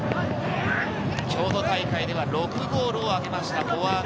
京都大会では６ゴールを挙げました、フォワード。